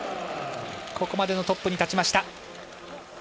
ここまでのトップに立ちました。